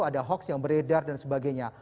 ada hoax yang beredar dan sebagainya